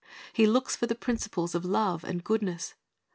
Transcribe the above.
He looks for the principles of love and goodness.